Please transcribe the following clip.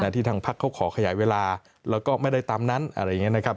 ที่ทางพักเขาขอขยายเวลาแล้วก็ไม่ได้ตามนั้นอะไรอย่างนี้นะครับ